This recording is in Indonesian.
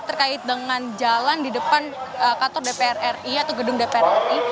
terkait dengan jalan di depan kantor dpr ri atau gedung dpr ri